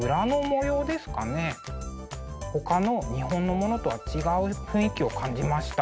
ほかの日本のものとは違う雰囲気を感じました。